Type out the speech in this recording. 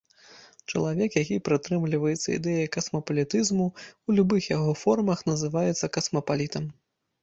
Чалавек, які прытрымліваецца ідэі касмапалітызму ў любых яго формах называецца касмапалітам.